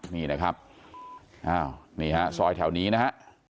นี่นะครับอ้าวนี่ฮะซอยแถวนี้นะฮะ